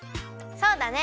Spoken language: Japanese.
そうだね！